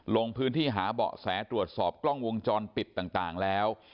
ลงพื้นที่หาเบาะแสตรวจสอบกล้องวงจรปิดต่างแล้ว